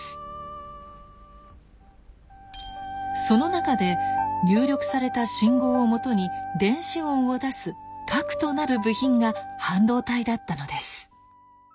その中で入力された信号をもとに電子音を出す核となる部品が半導体だったのです。